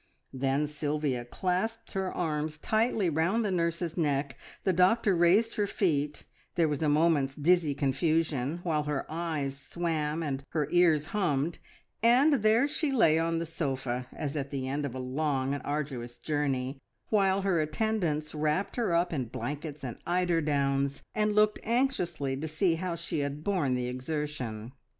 Then Sylvia clasped her arms tightly round the nurse's neck, the doctor raised her feet, there was a moment's dizzy confusion, while her eyes swam and her ears hummed, and there she lay on the sofa, as at the end of a long and arduous journey, while her attendants wrapped her up in blankets and eiderdowns, and looked anxiously to see how she had borne the exertion.